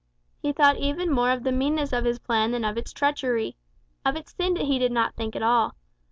He thought even more of the meanness of his plan than of its treachery. Of its sin he did not think at all.